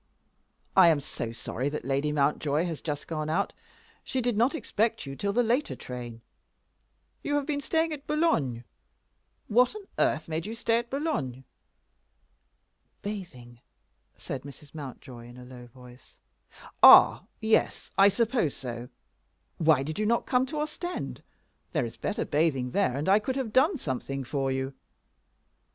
"I am so sorry that Lady Mountjoy has just gone out. She did not expect you till the later train. You have been staying at Boulogne. What on earth made you stay at Boulogne?" "Bathing," said Mrs. Mountjoy, in a low voice. "Ah, yes; I suppose so. Why did you not come to Ostend? There is better bathing there, and I could have done something for you. What!